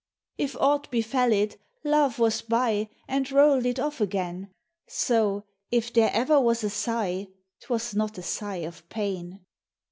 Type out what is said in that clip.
If aught befell it. Love was by And rolled it off again; So, if there ever was a sigh, T was not a sigh of pain.